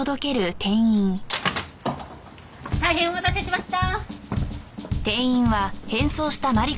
大変お待たせしました。